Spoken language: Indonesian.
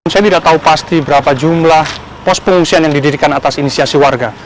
saya tidak tahu pasti berapa jumlah pos pengungsian yang didirikan atas inisiasi warga